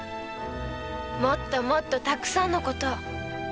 もっともっとたくさんのことを。